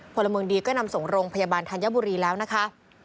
พลเมืองดีก็นำส่งโรงพยาบาลธัญบุรีแล้วนะคะ